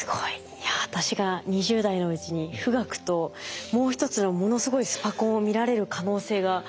いや私が２０代のうちに富岳ともう一つのものすごいスパコンを見られる可能性があるんだって思うと。